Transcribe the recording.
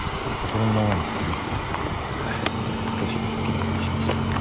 心のままに作り続けたおかげで少しすっきりしました。